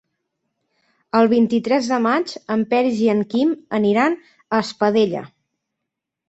El vint-i-tres de maig en Peris i en Quim aniran a Espadella.